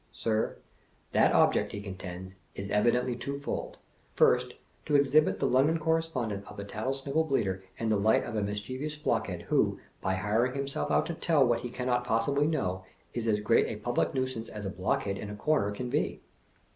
Sir, that object, he contends, is evidently twofold. First, to exhibit the London Correspondent of The Tattle snivel Bleater in the light of a mischievous Blockhead who, by hiring himself out to tell what he cannot possibly know, is as great a public nuisance as a Blockhead in a corner can be.